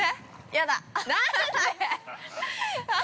◆やだ！